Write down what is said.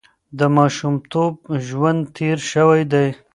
د ماشومتوب ژوند تېر شوی دی.